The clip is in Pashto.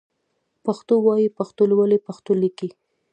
پښتو وايئ ، پښتو لولئ ، پښتو ليکئ